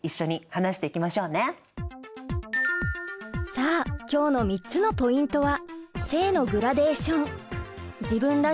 さあ今日の３つのポイントは。